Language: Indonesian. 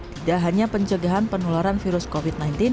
tidak hanya pencegahan penularan virus covid sembilan belas